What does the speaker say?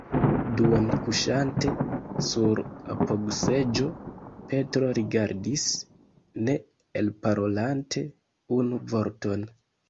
Duonkuŝante sur apogseĝo, Petro rigardis, ne elparolante unu vorton.